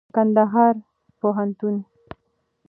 کنــدهـــار پوهنـتــون